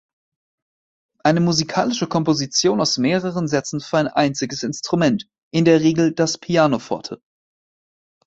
Eine musikalische Komposition aus mehreren Sätzen für ein einziges Instrument (in der Regel das Pianoforte),